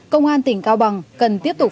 công an tỉnh cao bằng cần tiếp tục